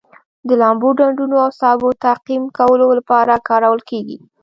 د لامبلو ډنډونو او سابو تعقیم کولو لپاره کارول کیږي.